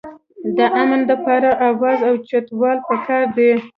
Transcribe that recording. د امن دپاره اواز اوچتول پکار دي